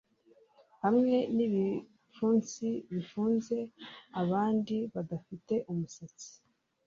hamwe n'ibipfunsi bifunze abandi badafite umusatsi